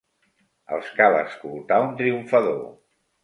Els cal escoltar un triomfador.